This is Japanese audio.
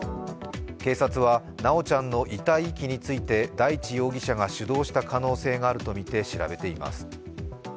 警察は修ちゃんの遺体遺棄について大地容疑者が主導した可能性があるとみて調べています。